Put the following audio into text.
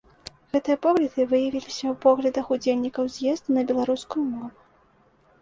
Гэтыя погляды выявіліся ў поглядах удзельнікаў з'езда на беларускую мову.